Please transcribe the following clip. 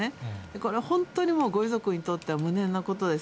これは本当にもうご遺族にとっては無念なことです。